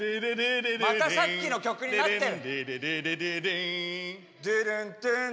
またさっきの曲になってる！